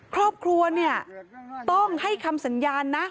ครอบครัวต้องให้คำสัญญานะ